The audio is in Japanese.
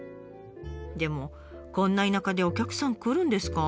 でもこんな田舎でお客さん来るんですか？